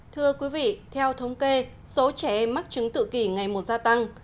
thưa quý vị theo thống kê số trẻ em mắc chứng tự kỷ ngày một gia tăng